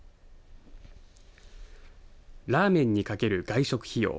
ラーメンにかける外食費用。